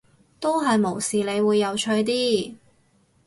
都係無視你會有趣啲